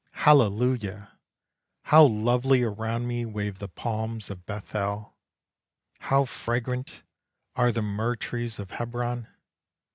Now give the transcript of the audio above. Hallelujah! How lovely around me Wave the palms of Beth El! How fragrant are the myrrh trees of Hebron!